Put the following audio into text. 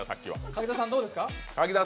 柿澤さん、どうですか？